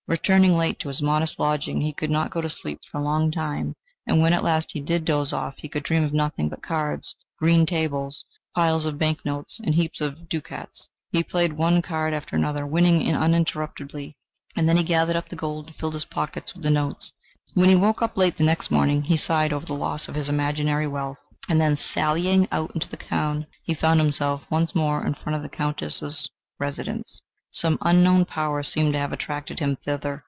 Returning late to his modest lodging, he could not go to sleep for a long time, and when at last he did doze off, he could dream of nothing but cards, green tables, piles of banknotes and heaps of ducats. He played one card after the other, winning uninterruptedly, and then he gathered up the gold and filled his pockets with the notes. When he woke up late the next morning, he sighed over the loss of his imaginary wealth, and then sallying out into the town, he found himself once more in front of the Countess's residence. Some unknown power seemed to have attracted him thither.